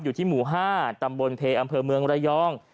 อยู่ที่หมู่๕ตำบลเพอำเภอเมืองระยอง